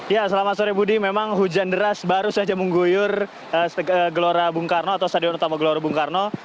ya selamat sore budi memang hujan deras baru saja mengguyur gelora bung karno